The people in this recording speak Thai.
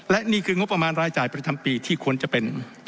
และนี่คืองบประมาณรายจ่ายประจำปีที่ควรจะเป็น